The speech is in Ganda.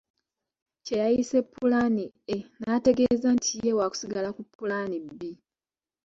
Kye yayise pulaani A n'ategeeza nti ye waakusigala ku pulaani B.